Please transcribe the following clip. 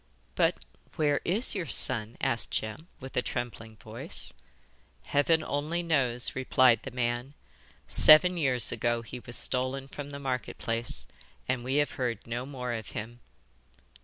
'But where is your son?' asked Jem, with a trembling voice. 'Heaven only knows!' replied the man; 'seven years ago he was stolen from the market place, and we have heard no more of him.